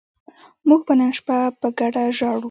موږ به نن شپه په ګډه ژاړو